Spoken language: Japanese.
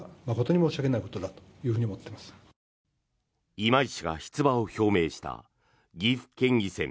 今井氏が出馬を表明した岐阜県議選